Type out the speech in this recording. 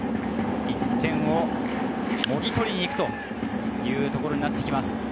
１点をもぎ取りに行くというところになってきます。